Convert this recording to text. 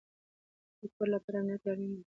د کور لپاره امنیت اړین دی